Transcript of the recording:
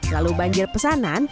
lalu banjir pesanan